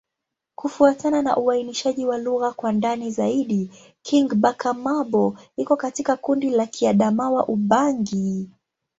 Kufuatana na uainishaji wa lugha kwa ndani zaidi, Kingbaka-Ma'bo iko katika kundi la Kiadamawa-Ubangi.